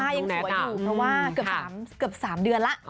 ยังสวยอยู่เพราะว่าเกือบ๓เดือนแล้ว